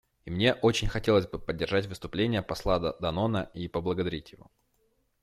И мне очень хотелось бы поддержать выступление посла Данона и поблагодарить его.